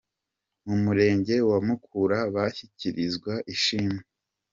Mu Murenge wa Mukura bashyikirizwa ishimwe.